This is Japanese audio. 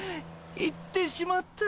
行ってしまった。